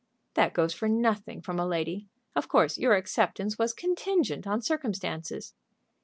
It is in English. "That goes for nothing from a lady. Of course your acceptance was contingent on circumstances."